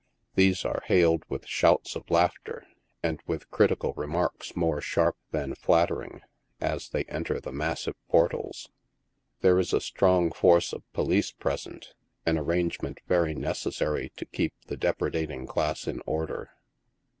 These are hailed with shouts of laughter, and with critical remarks more sharp than flattering, as they enter the massive portals. There is a strong force of police present — an arrangement very necessary to keep the depredating class in order.